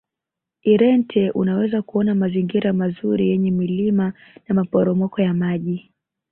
irente unaweza kuona mazingira mazuri yenye milima na maporomoko ya maji